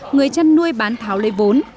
người chăn nuôi bán tháo lấy vốn